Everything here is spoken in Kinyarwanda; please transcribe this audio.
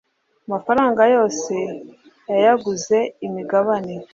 amafaranga yose yayaguze imigabane